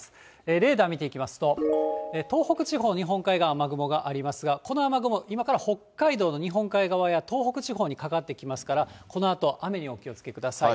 レーダー見ていきますと、東北地方、日本海側、雨雲がありますが、この雨雲、今から北海道の日本海側や東北地方にかかってきますから、このあと雨にお気をつけください。